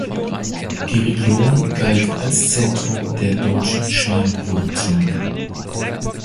Die Region galt als Zentrum der deutschen Schweineproduktion.